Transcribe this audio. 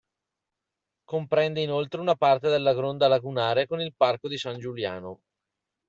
Comprende inoltre una parte della gronda lagunare con il parco di San Giuliano.